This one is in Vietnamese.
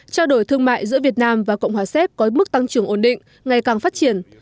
trao đổi thương mại giữa việt nam và cộng hòa séc có mức tăng trưởng ổn định ngày càng phát triển